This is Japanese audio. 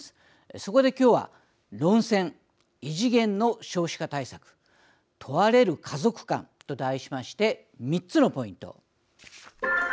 そこで今日は論戦異次元の少子化対策問われる家族観と題しまして３つのポイント。